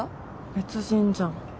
別人じゃん。